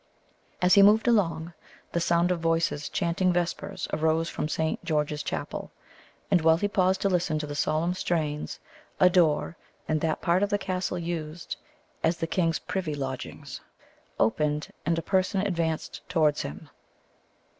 As he moved along, the sound of voices chanting vespers arose from Saint George's Chapel; and while he paused to listen to the solemn strains, a door, in that part of the castle used as the king's privy lodgings, opened, and a person advanced towards him.